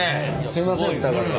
すいません疑って。